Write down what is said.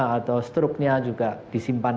atau struknya juga disimpan